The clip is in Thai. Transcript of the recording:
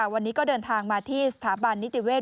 วันนี้ก็เดินทางมาที่สถาบันนิติเวศ